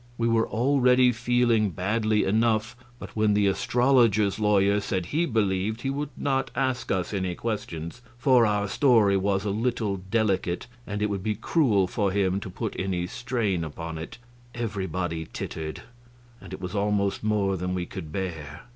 We were already feeling badly enough, but when the astrologer's lawyer said he believed he would not ask us any questions for our story was a little delicate and it would be cruel for him to put any strain upon it everybody tittered, and it was almost more than we could bear.